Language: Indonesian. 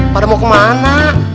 pada mau kemana